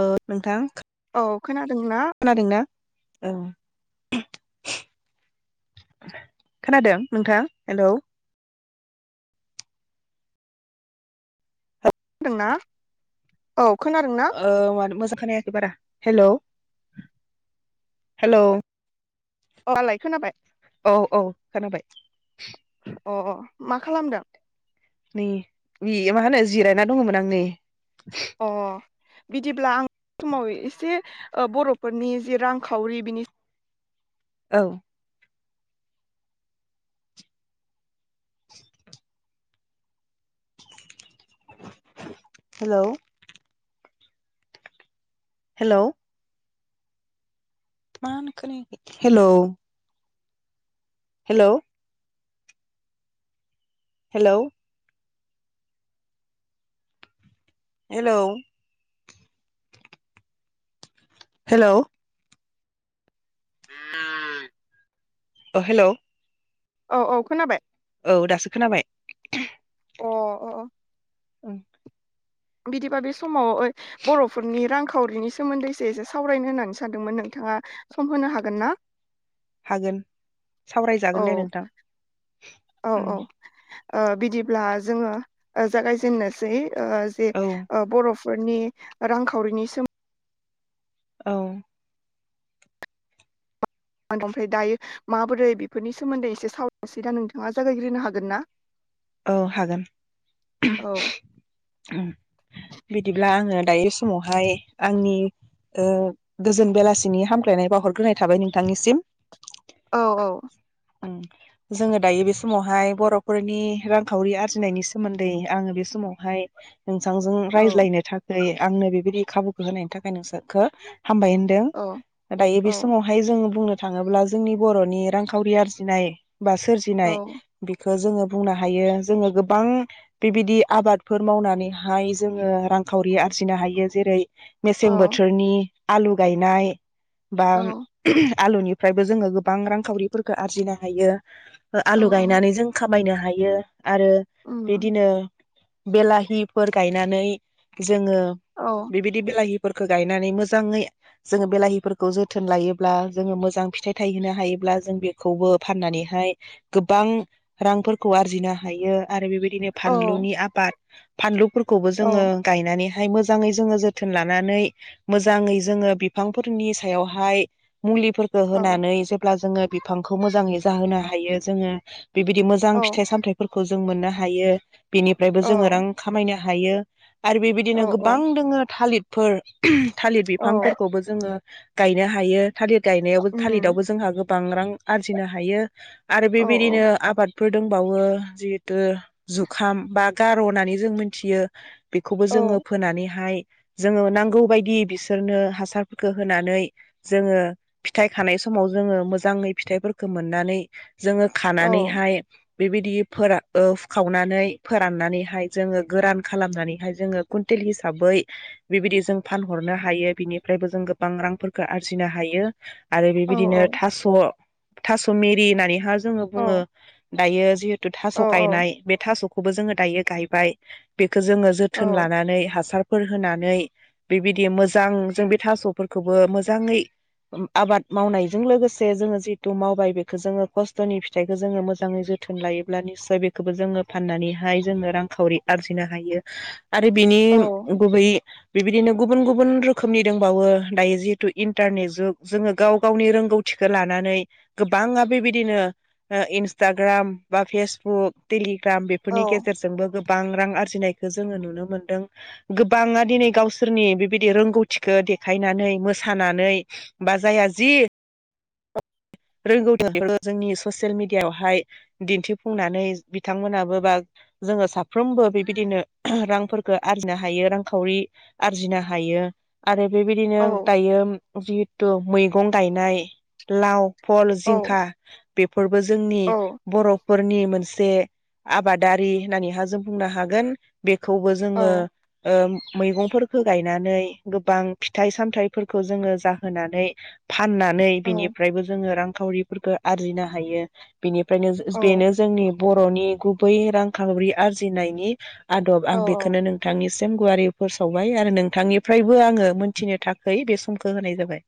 औ नोंथां औ खोनादोंना? खोनादोंना औ खोनादों नोंथां हेलौ दोंना औ मानो मोजां खोनायाखै बारा, हेलौ हेलौ दालाय खोनाबाय? औ औ खोनाबाय। अ मा खालामदों? नै बे मा होनो जिरायना दङमोन आं नै। अ बिदिब्ला आं [unintelligible] समाव एसे ओ बर'फोरनि जे रांखावरि बिनि औ [inaudible] हेलौ हेलौ मानो खोनायाखै hello. Hello hello hello hello औ हेलौ औ औ खोनाबाय। औ दासो खोनाबाय। अ अअ बिदिबा बे समाव बर'फोरनि रांखावरिनि सोमोन्दैसो एसे सावरायनो होननानै सानदोंमोन नोंथाङा सम होनो हागोन ना? हागोन औ सावरायजागोन दे नोंथां। औ उम औ ओ बिदिब्ला जोङो ओ जागायजेननोसै। ओ जे औ बर'फ फोरनि रांखावरिनि सोमो औ ओमफ्राय दायो माबोरै बेफोरनि सोमोन्दै एसे सावरायसै दा नोंथाङा जागायग्रोनो हागोन ना? औ हागोन औ [inaudible] उम बिदिब्ला आङो दायो समावहाय आंनि ओ गोजोन बेलासिनि हामग्लायनाय बावहरग्रोनाय थाबाय नोंथांनिसिम। औ औ ओम जोङो दायो बे समावहाय बर'फोरनि रांखावरि आरजिनायनि सोमोन्दै आङो बे समावहाय नोंसांजों औ रायज्लायनो थाखोय आंनो बेबायदि खाबुखौ होनायनि थाखाय नोंसो खो हामबाय होनदों। औ दायो औ बे समावहाय जों बुंनो थाङोब्ला जोंनि बर'नि रांखावरि आरजिनाय बा सोरजिनाय बे जोङो बुंना हायो जोङो गोबां बेबायदि आबादफोर मावनानैहाय जोङो रांखावरि आरजिनो हायो जेरै औ मेसें बोथोरनि आलु गायनाय। बा औ आलुनि फ्रायबो जोङो गोबां रांखावरिफोरफोरखौ आरजिनो हायो। ओ औ आलु औ गायनानै जों खा मायनो हायो। यो आरो उम बिदिनो बेलाहिफोर गायनानै जोङो औ बेबायदि बेलाहि फोरखौ गायनानै मोजाङै जोङो बेलाहिफोरखौ जोथोन लायोब्ला जोङो मोजां फिथाइ थायहोननो हायोब्ला जों बेखौबो फाननानैहाय गोबां रांफोर खौ आरजिनो हायो आरो बेबा दिनो औ फानलुनि आबाद फानलुफोरखौ खौबो औ जोङो गायनानै हाय मोजाङै जोङो जोथोन लानानै मोजाङै जोङो बिफांफोरनि सायावहाय मुलिफोरखौ औ होनानै जेब्ला जोङो बिफांखौ मोजाङै जाहोनो हायो जोङो । बिबायदि मोजां औ फि सामथाइफोरखौ जों मोननो हायो। बिनिफ्रायबो जोङो औ रां खामायनो हायो। आरो औ बेबायदिनो गोबां औ दोङो थालिर फोर थालिर बिफांफोरखौबो जोङो। गायनो हायो। थालिर गायनायावबो उम थालिरावबो जोंहा गो बां रां आरजिनो हायो। आरो औ बेबायदिनो आबादफोर दोंबावो जिहेतु जुखाम बा गार' होननानै जों मिथियो बेखौबो औ जोङो फोनानैहाय जोङो नांगौ बायदि बिसोरनो हासारफोरखौ होनानै जोङो फिथाइ खानाय समाव जोङो मोजाङै फिथाइफोरखौ मोननानै जोङो औ खानानैहाय बेबायदि फोरान फु खावनानै फोराननानैहाय जोङो गोरान खालामनानैहाय जोङो कुन्टेल हिसाबै बेबायदि जों फानहरनो हायो बिनिफ्रायबो जों गोबां रांफोरखौ आरजिनो हायो। आरो बेबायदिनो औ थास' थास' मेरि होननानै हा जोङो बुङो औ गायो जि थास' गायनाय बे थास' खौबो जोङो दायो गायबाय बे खो जोङो औ जोथोन औ लानानै हासार फोर होनानै बेबायदि मोजां जों बे थास'फोरखौबो मोजाङै आबाद मावनायजों लोगोसे जोङो जिहेतु मावबाय बेखो जोङो खस्थ'नि फिथाइखौ जोङो मोज जाङै जोथोन लायोब्ला निस्सय बेखौबो जोङो फाननानैहाय जोङो रांखावरि आरजिनो हायो। आरो बिनि गुबै बेबायदिनो गुबुन गुबुन रोखोमनि दंबावो दायो जिहेतु इन्टारनेट जुग जोङो गाव गावनि रोंगौथिखौ लानानै गोबाङा बेबायदिनो ओ इनस टाग्राम बा फेसबुक देलि ग्राम बेफोरनि गेजेरजोंबो गोब बां रां आरजिनायखौ जोङो नुनो मोन्दों गोबाङा दिनै गावसोरनि बेबायदि रोंगौथिखौ देखायनानै मोसानानै बा जायहा जि रोंगौथि जोंनि ससियेल मिडियायावहाय दिन्थिफुंनानै बिथांमोनाबो बा जोङो साफ्रोमबो बेबायदिनो रांफोरखो आरजिनो हायो रांखावरि आरजिनो हायो आरो बेबायदिनो दायो जिहेथु मैगं गायनाय लाव फल जिंखा फोरबो जोंनि औ औ बर' फोरनि मोनसे आबादारि होननानैहा जों बुंनो हागोन। बेखौबो औ जोङो औ ओ मैगंफोरखौ गायनानै गोबां फिथाइ सामथाइफोरखौ जोङो जाहोनानै फाननानै बिनिफ्रायबो जोङो रांखावरिफोरखौ आरजिनो हायो। बेनिफ्रायनो बेनो जोंनि बर'नि गुबै रांखावरि आरजिनायनि आदब औ आं औ बेखौनो नोंथांनि सिम गुवारै फोसावबाय आरो नोंथांनिफ्रायबो आङो मोनथिनो थाखाय बे समखौ होनाय जाबाय।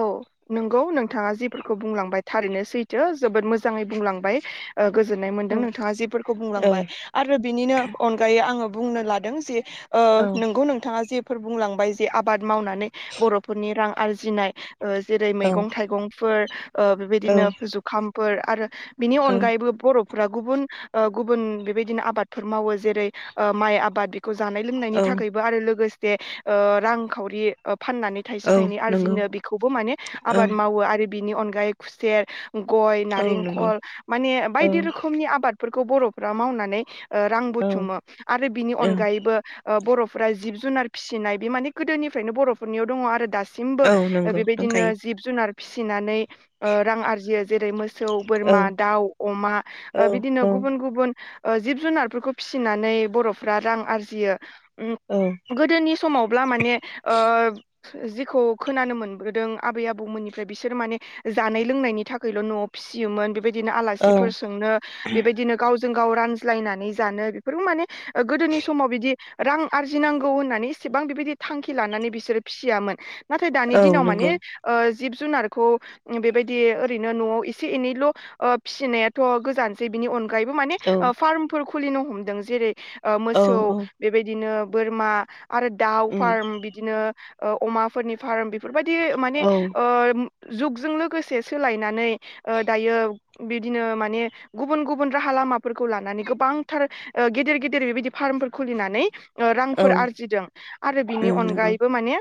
औ नंगौ नोंथाङा जिफोरखौ बुंलांबाय थारैनो सैथो जोबोद मोजाङै बुंलांबाय। ओ गोजोननाय मोन्दों औ नोंथाङा जिफोरखौ औ बुंलांबाय आरो बिनिनो अनगायै आङो बुंनो लादों जे ओ नंगौ नोंथाङा जे फोर बुंलांबाय जे आबाद मावनानै बर'फोरनि रां आरजिनाय ओ जेरै औ मैगं थाइगंफोर ओ बेबायदिनो औ जुखाम फोर आरो बिनि अनगायैबो बर' गुबुन-गुबुन बेबायदिनो आबादफोर मावो जेरै माइ आबाद जानाय लोंनायनि औ थाखायबो आरो लोगो से ओ रांखावरि फाननानै औ नंगौ आरजिनो बेखौबो माने औ आबाद मावो आरो बिनि अनगायै खुसेर गय औ नंगौ नारेंखल माने औ बायदि रोखोमनि आबाद बेफोरखौ बर'फ्रा मावनानै ओ रां औ बुथुमो आरो बिनि औ अनगायैबो बर' फ्राय जिब जुनार फिसिनाय बे माने गोदोनिफ्रायनो बर'फोरनियाव दंङ आरो दा सिमबो औ नंगौ बेबायदिनो दंखायो जिब जुनार फिसिनानै ओ रां आरजियो जेरै मो सौ औ बोरमा दाउ अमा औ बिदिनो औ गुबुन-गुबुन ओ जिब जुनारफोरखौ फिसिनानै बर'फ्रा रां आरजियो। अम औ गोदोनि समावब्ला माने ओ जि खौ खोनानो मोनबोदों आबै आबौमोननिफ्राय बिसोरो माने जानाय लोंनायनि थाखायल' न'आव फिसियोमोन। बेबायदिनो औ आलासिफोर सोंनो बेबायदिनो गाव जों गाव रानजलायनानै जानो बेफोरखौ माने गोदोनि समाव बिदि रां आरजिनांगौ होननानै इसेबां बिबायदि थांखि लानानै बिसोरो फिसियामोन। नाथाय दानि औ दिनाव नंगौ माने ओ जिब जुनारखौ बेबायदि ओरैनो न'आव एसे एनैल' फिसिनायाथ' गोजानसै बिनि अन गायैबो माने औ फार्मफोर खुलिनो हमदों जेरै मोसौ औ बेबायदिनो बोरमा आरो दाउ फार्म बिदिनो ओ अमा फोरनि फाराम बि फोरबायदि माने ओ जुगजों लोगोसे सोलायनानै ओ दायो बिदिनो माने गुबुन गुबुन राहा लामाफोरखौ लानानै गोबांथार गेदेर गेदेर बेबायदि फार्मफोर खुलिनानै औ रांफोर आरजिदों आरो बिनि उम नंगौ अनगायैबो माने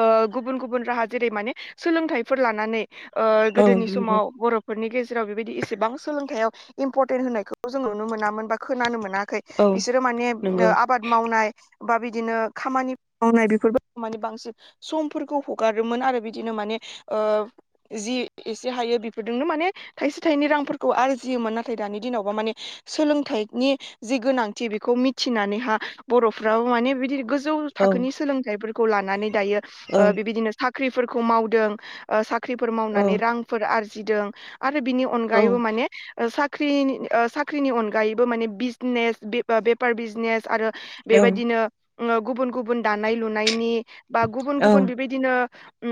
ओ गुबुन गुबुन राहा जेरै माने सोलोंथाइफोर लानानै ओ औ गोदोनि नंगौ समाव बर'फोरनि गेजेराव बेबायदि एसेबां सोलोंथायाइयाव इम्परटेन्ट होनायखौ जों नुनो मोनामोन बा खोनानो मोना खै औ बिसोरो माने नंगौ ओ आबाद मावनाय बा बिदिनो खामानि मावनाय बेफोरबो मानिे बांसिन समफोरखौ हगारोमोन आरो बिदिनो माने ओ जि एसे हायो बेफोरजोंनो माने थाइसे थाइनै रांफोरखौ आरजियोमोन नाथाय दानि दिनावबा माने सोलोंथाइनि जि गोनांथि बेखौ मिथिनानैहा बर'फ्राबो माने बिदि गोजौ औ थाखोनि सोलोंथाइफोरखौ लानानै बियो औ ओ बेबायदिनो साख्रिफोरखौ मावदों ओ साख्रिफोर औ मावनानै रांफोर आरजि जिदों आरो बिनि औ अनगायैबो माने साख्रिनि साख्रिनि अनगायैबो माने बिजनेस बे बेफार बिजनेस आरो औ बेबायदिनो गुबुन गुबुन गुबुन दानाय लुनायनि गुबुन गुबुन औ बेबायदिनो ओ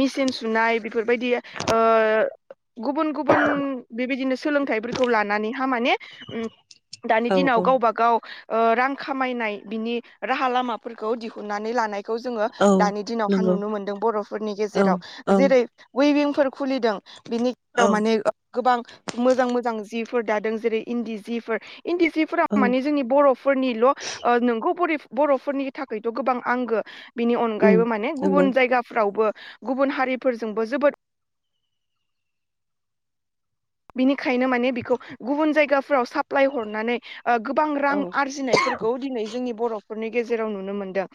मेसिन सुनाय बेफोरबायदि ओ गुबुन गुबुन बेबायदिनो सोलोंथाइफोरखौ लानानैहा माने दानि औ औ दिनाव गावब गाव ओ रां खामायनाय बिनि राहा लामाफोरखौ दिहुननानै लानाय जोङो औ दानि दिनावहा नंगौ नुनो मोनदों बर'फोरनि औ गेजेराव औ जेरै उइभिं खुलिदों औ बिनिगेजेराव माने गोबां मोजां मोजां जि फोर दादों जेरै इन्दि जिफोर इन्दि सिफोरा औ माने जोंनि बर'फोरनिल'ओ नोंगौ बरिफ बर'फोरनि थाखायथ' गोबां आंगो बिनि उम अनगायैबो माने नंगौ गुबुन जायगाफ्रावबो गुबुन हारिफोरजोंबो जोबोद बिनि खायनो माने बेखौ गुबुन जायगाफ फोराव साप्लााय हरनानै ओ गोबां रां औ आरजिनायफोरखौ दिनै जोंनि बर' फोरफोरनि गेजेराव नुनो मोन्दों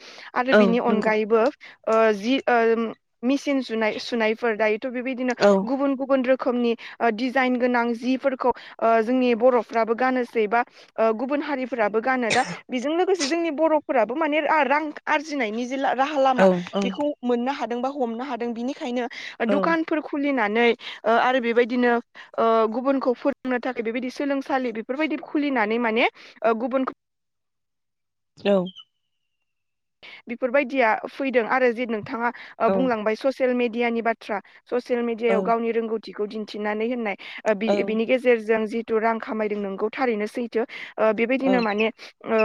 आरो औ बिनि नंगौ अनगायैबो ओ जि ओम मेसिन सुनाय-सुनायफोर दायोथ' बेबायदिनो औ गुबुन गुबुन रोख खोमनि ओ दिज जाईन गोनां जिफोरखौ ओ जोंनि बर'फ्राबो गानोसै बा ओ गुबुन हारिफ फोराबो गानो दा बेजों लोगोसे जोंनि बर'फोराबो माने रा-रां आरजिनायनि जे ला राहा औ लामा औ बेखौ मोननो हाद दों बा हमनो हादों बिनिखायनो औ दुखानफोर खुलिनानै नै ओ आरो बेबायदिनो ओ गुबुनखौ फोरोंनो थाखाय बेबायदि सोलोंसालि बेफोरबायदि खुलिनानै माने ओ गुबुनखौ औ। बेफोरबायदिया फैदों आरो जे नों थाङा ओ औ बुंलांबाय ससियेल मेडि डियानि बाथ्रा। ससियेल मिडियाायाव गावनि रोंगौ बिखौ दिन्थिनानै होननाय ओ औ बि-बिनि गेजेरजों जि रां खामायदों नोंगौ थारैनो सैथो। ओ औ बेबायदिनो माने ओ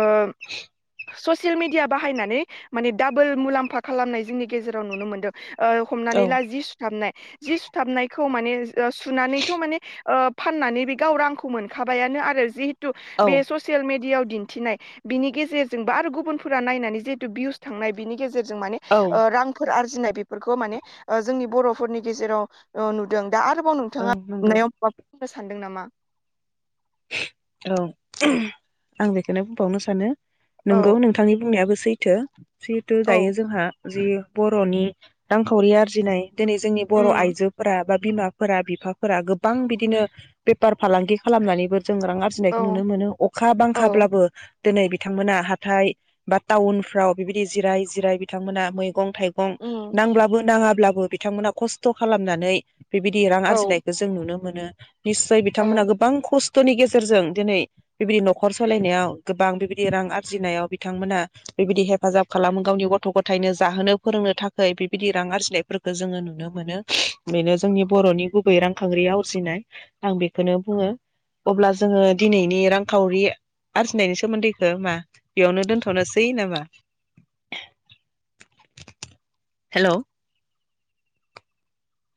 ससियेल मिडिया बाहायनानै माने डाबोल मुलाम्फा खालामनाय जोंनि गेजेराव नुनो मोनदों। ओ हमनानै ला जि सुथाबनाय जि सुथाबनायखौ माने सुनानैथ' माने ओ फाननानै बे गाव रांखौ मोनखाबायानो आरो जि थु बे ससियेल मिडियाआव दिन्थिनाय बिनि गेजेरजों बा आरो गुबुनफोरा नायनानै जे थु भिउस थांनाय बिनि गेजेर जों माने ओ रांफोर आरजिनाय बेफोरखौ माने ओ जोंनि बर'फोरनि गेजेराव ओ नुदों। दा आरोबाव औ नोंथाङा नंगौ नुनायाव माब बुंनो सानदों नामा? औ ओहोम आं बेखौनो बुंबावनो सानो नोंगौ औ नोंथांनि बुंनायाबो सैथो। जिहेतु औ दायो जोंहा जि बर'नि रांखावरि आरजिनाय दिनै जोंनि बर' उम आइजोफोरा बा बिमाफोरा बिफाफोरा गोबां बिदिनो बेफार फालांगि खालामनानैबो जों रां फुजिनायखौ औ नुनो मोनो अखा औ बांखाब्लाबो दिनै बिथांमोना हाथाय बा टाउनफ्राव बिबायदि जिराय जिराय बिथांमोना मै गं थाइगं उम नांब्लाबो नाङाब ब्लाबो बिथांमोना खस्थ' खालामनानै बेबायदि रां औ आरजिनायखौ जों नुनो मोनो निस्सय औ बिथांमोनहा गोबां खस थ'नि गेस सोरजों दिनै बेबायदि न'खर सालायनायाव गोबां बेबायदि रां आरजिनायाव बिथांमोना बेबायदि हेफाजाब खालामो गावनि गथ' गथायनो जाहोनो फोरोंनो थाखाय बेबायदि रां आरजिनायफोरखौ जोङो नुनो मोनो बेनो जोंनि बर'नि गुबै रांखांवरि आरजिनाय आं बेखौनो बुङो अब्ला ज जोङो दिनैनि रांखावरि आरजिनायनि सोमोन्दैखौ मा बेयावनो दोनथ'नोसै नामा? हेल'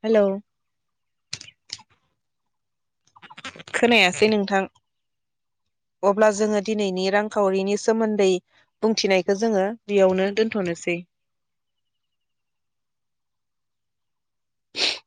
हेल' खोनायासै नोंथां अब्ला जोङो दिनैनि रांखावरिनि सोमोन्दै बुंथिनायखौ जोङो बेयावनो दोनथ'नोसै।